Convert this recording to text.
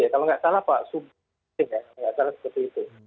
kalau nggak salah pak subuh ya kalau nggak salah seperti itu